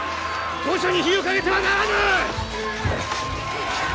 御所に火をかけてはならぬ！